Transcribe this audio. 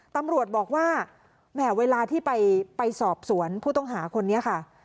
ตำรวจบอกว่าแหมเวลาที่ไปสอบสวนผู้ต้องหาคนนี้ค่ะ